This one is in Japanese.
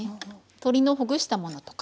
鶏のほぐしたものとか。